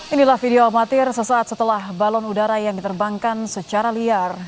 inilah video amatir sesaat setelah balon udara yang diterbangkan secara liar